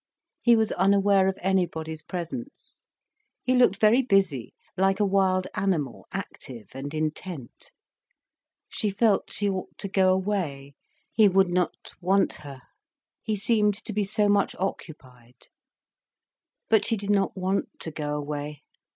He was unaware of anybody's presence. He looked very busy, like a wild animal, active and intent. She felt she ought to go away, he would not want her. He seemed to be so much occupied. But she did not want to go away.